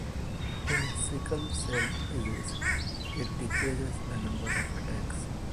In sickle-cell disease it decreases the number of attacks.